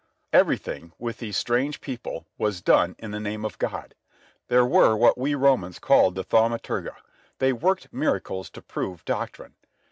Everything, with these strange people, was done in the name of God. There were what we Romans called the thaumaturgi. They worked miracles to prove doctrine.